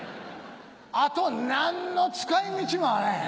あと何の使い道もあらへん。